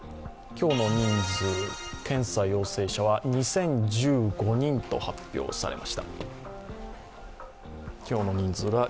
今日の人数、検査陽性者は２０１５人と発表されました。